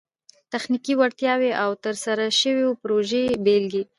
تخنیکي وړتیاوي او د ترسره سوو پروژو بيلګي